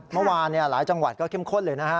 เมื่อวานหลายจังหวัดก็เข้มข้นเลยนะฮะ